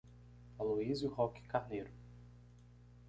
Aloizio Roque Carneiro